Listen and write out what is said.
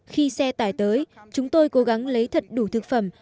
khi xe tải tới chúng tôi cố gắng lấy thật đủ thực phẩm